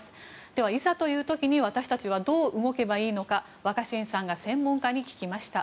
では、いざという時に私たちはどう動けばいいのか若新さんが専門家に聞きました。